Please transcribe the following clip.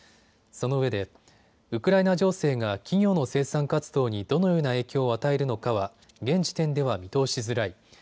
そのうえでウクライナ情勢が企業の生産活動にどのような影響を与えるのかは現時点では見通しづらい。